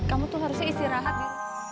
kamu tuh harusnya istirahat nih